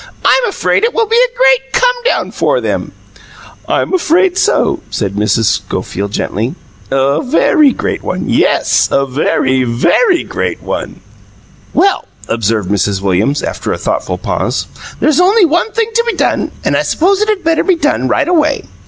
"I'm afraid it will be a great come down for them." "I'm afraid so," said Mrs. Schofield gently. "A very great one yes, a very, very great one." "Well," observed Mrs. Williams, after a thoughtful pause, "there's only one thing to be done, and I suppose it had better be done right away."